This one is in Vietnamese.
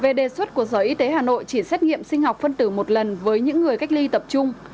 về đề xuất của sở y tế hà nội chỉ xét nghiệm sinh học phân tử một lần với những người cách ly tập trung